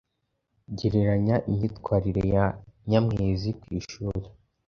Gereranya imyitwarire ya Nyamwezi ku ishuri